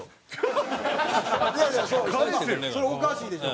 いやいやそれおかしいでしょ。